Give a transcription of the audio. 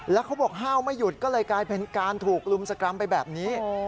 แล้วเขาบอกห้าวไม่หยุดก็เลยกลายเป็นการถูกลุมสกรรมไปแบบนี้